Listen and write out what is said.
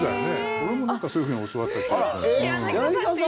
俺もなんかそういうふうに教わった気がする。